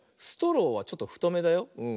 ストローはちょっとふとめだよ。